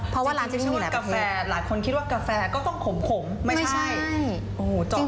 แฟก็ต้องขมไม่ใช่